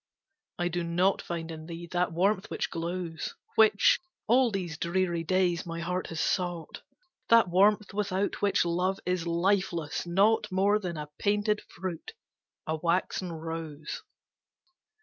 I do not find in thee that warmth which glows, Which, all these dreary days, my heart has sought, That warmth without which love is lifeless, naught More than a painted fruit, a waxen rose.